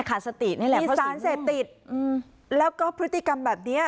ขาดสตินี่แหละมีสารเสพติดแล้วก็พฤติกรรมแบบเนี้ย